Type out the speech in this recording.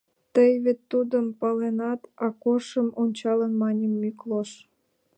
— Тый вет тудым паленат, — Акошым ончалын, мане Миклош.